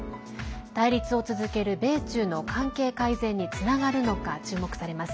対立を続ける米中の関係改善につながるのか注目されます。